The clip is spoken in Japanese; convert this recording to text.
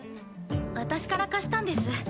私から貸したんです。